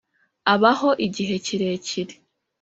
abaho igihe kirekire.